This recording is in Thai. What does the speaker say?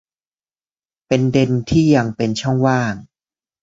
เป็นเด็นที่ยังเป็นช่องโหว่